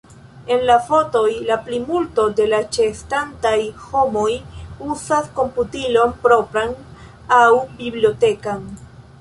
En la fotoj, la plimulto de la ĉeestantaj homoj uzas komputilon propran aŭ bibliotekan.